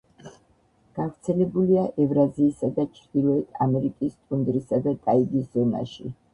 გავრცელებულია ევრაზიისა და ჩრდილოეთ ამერიკის ტუნდრისა და ტაიგის ზონაში.